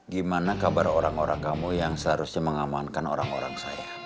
gimana kabar orang orang kamu yang seharusnya mengamankan orang orang saya